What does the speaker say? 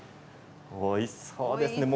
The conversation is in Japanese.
おいしそうですね。